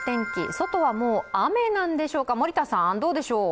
外はもう雨なんでしょうか、どうでしょう。